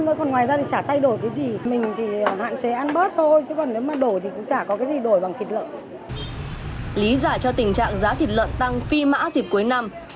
lý giải cho tình trạng giá thịt lợn tăng phi mã dịp cuối năm